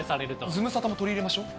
ズムサタも取り入れましょう。